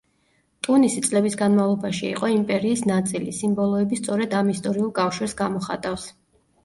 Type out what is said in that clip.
ტუნისი წლების განმავლობაში იყო იმპერიის ნაწილი, სიმბოლოები სწორედ ამ ისტორიულ კავშირს გამოხატავს.